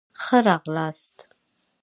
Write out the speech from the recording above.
ښه راغلاست.